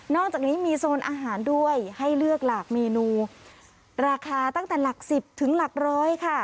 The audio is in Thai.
อกจากนี้มีโซนอาหารด้วยให้เลือกหลากเมนูราคาตั้งแต่หลักสิบถึงหลักร้อยค่ะ